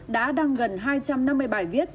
đã đăng gần hai trăm năm mươi bài viết